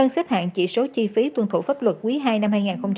kết hạn chỉ số chi phí tuân thủ pháp luật quý ii năm hai nghìn một mươi chín